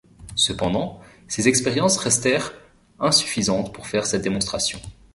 Cependant, ces expériences restèrent insuffisantes pour faire cette démonstration.